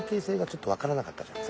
それは確かに分からなかった。